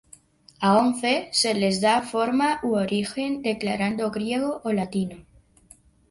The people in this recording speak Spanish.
A once se les da forma u origen declarado griego o latino.